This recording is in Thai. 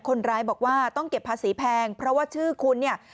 คนร้ายบอกว่าต้องเก็บภาษีแพงเพราะว่าชื่อคุณเนี่ย